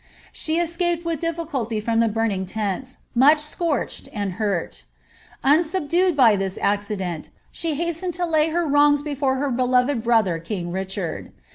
She escaped with difficulty from the burning tents, much scorched and hurt Unsubdued by this accident, she hastened to lay her wrongs before her beloved brother king Richard.